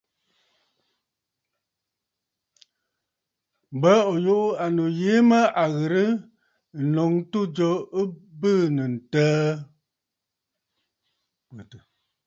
M̀bə ò yuʼù ànnù yìi mə à ghɨ̀rə ǹnǒŋ ɨtû jo ɨ bɨɨnə̀ ǹtəə.